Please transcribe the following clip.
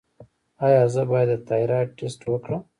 ایا زه باید د تایرايډ ټسټ وکړم؟